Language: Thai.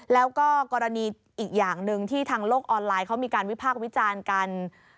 แล้วก็กรณีอีกอย่างหนึ่งที่ทางโลกออนไลน์เขามีการวิพากษ์วิจารณ์กัน